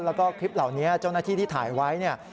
แล้วก็คลิปเหล่านี้เจ้าหน้าที่ที่ถ่ายไว้เนี่ย